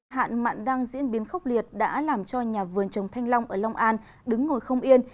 hạn mạn đang diễn biến khốc liệt đã làm cho nhà vườn trồng thanh long ở long an đứng ngồi không yên